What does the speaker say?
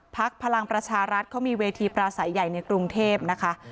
พลังประชารัฐเขามีเวทีปราศัยใหญ่ในกรุงเทพนะคะ